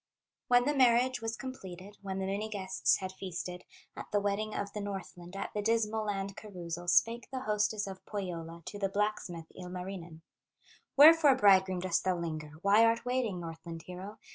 When the marriage was completed, When the many guests had feasted, At the wedding of the Northland, At the Dismal land carousal, Spake the hostess of Pohyola To the blacksmith, Ilmarinen: "Wherefore, bridegroom, dost thou linger, Why art waiting, Northland hero?